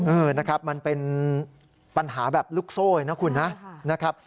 เออนะครับมันเป็นปัญหาแบบลูกโซ่นะคุณนะ